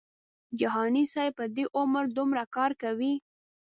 جهاني صاحب په دې عمر دومره کار کوي.